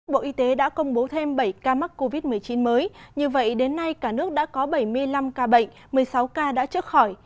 bộ y tế đã công bố thêm bảy ca mắc covid một mươi chín mới như vậy đến nay cả nước đã có bảy mươi năm ca bệnh một mươi sáu ca đã trước khỏi